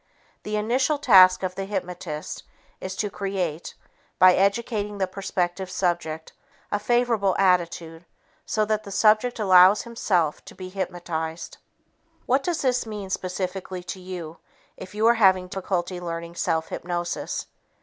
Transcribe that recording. The initial task of the hypnotist is to create, by educating the prospective subject, a favorable attitude so that the subject allows himself to be hypnotized. What does this mean specifically to you if you are having difficulty learning self hypnosis?